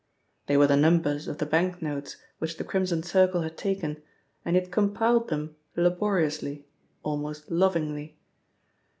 They were the numbers of the banknotes which the Crimson Circle had taken, and he had compiled them laboriously, almost lovingly.